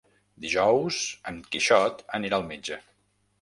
Dijous en Quixot anirà al metge.